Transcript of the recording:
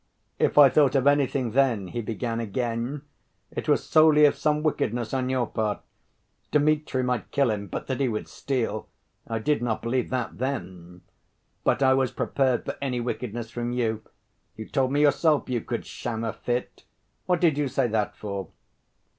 "If I thought of anything then," he began again, "it was solely of some wickedness on your part. Dmitri might kill him, but that he would steal—I did not believe that then.... But I was prepared for any wickedness from you. You told me yourself you could sham a fit. What did you say that for?"